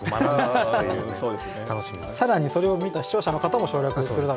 更にそれを見た視聴者の方も省略するだろうし。